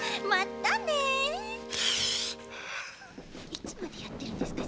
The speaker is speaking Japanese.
いつまでやってるんですか